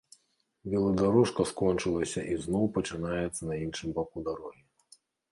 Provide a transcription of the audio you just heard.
Веладарожка скончылася і зноў пачынаецца на іншым баку дарогі.